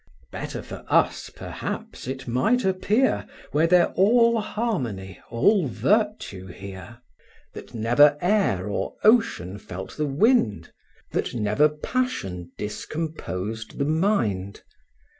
Better for us, perhaps, it might appear, Were there all harmony, all virtue here; That never air or ocean felt the wind; That never passion discomposed the mind.